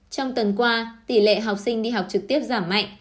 trong tuần qua tỷ lệ học sinh đi học trực tiếp giảm mạnh